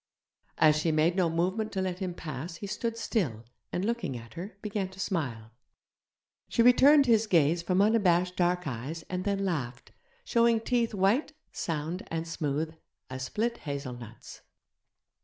As she made no movement to let him pass he stood still, and, looking at her, began to smile. She returned his gaze from unabashed dark eyes, and then laughed, showing teeth white, sound, and smooth as split hazelnuts.